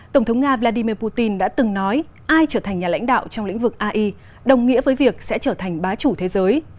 tổng thống nga vladimir putin đã từng nói ai trở thành nhà lãnh đạo trong lĩnh vực ai đồng nghĩa với việc sẽ trở thành bá chủ thế giới